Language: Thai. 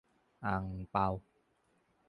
- อั่งเปา